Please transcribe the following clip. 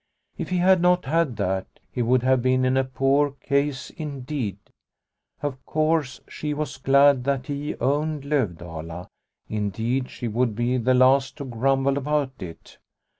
If he had not had that, he would have been in a poor case indeed. Of course she was The Bride's Dance 97 glad that he owned Lovdala ; indeed she would be the last to grumble about it.